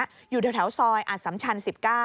อยู่แถวซอยอสัมชัน๑๙